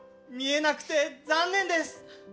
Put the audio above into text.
見えなくて残念です。